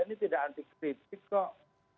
ini tidak antikritik kok